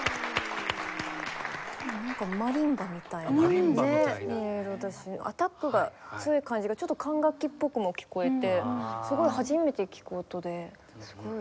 なんかマリンバみたいな音色だしアタックが強い感じがちょっと管楽器っぽくも聴こえてすごい初めて聴く音ですごい素敵でした。